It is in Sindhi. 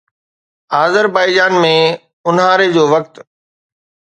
آذربائيجان ۾ اونهاري جو وقت